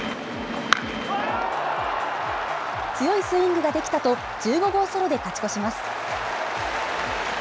強いスイングができたと１５号ソロで勝ち越します。